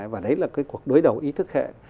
và đấy là cái cuộc đối đầu ý thức hệ